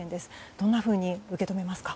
どんなふうに受け止めますか？